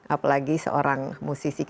apalagi seorang musisi